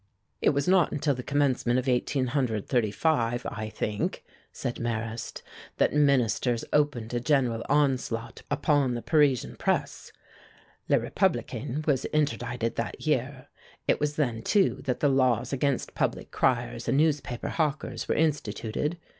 "It was not until the commencement of 1835, I think," said Marrast, "that Ministers opened a general onslaught upon the Parisian press. 'Le Républicain' was interdicted that year. It was then, too, that the laws against public criers and newspaper hawkers were instituted.